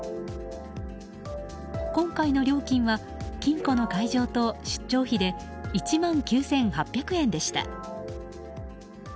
今回の料金は、金庫の開錠と出張費で１万９８００円でした。